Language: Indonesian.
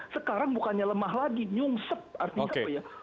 sekarang bukannya lemah lagi nyungsep artinya apa ya